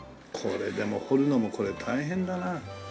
これでも彫るのも大変だな。